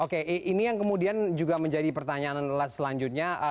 oke ini yang kemudian juga menjadi pertanyaan selanjutnya